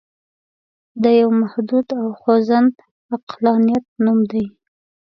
د یوه محدود او خوځنده عقلانیت نوم دی.